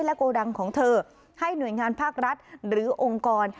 โกดังของเธอให้หน่วยงานภาครัฐหรือองค์กร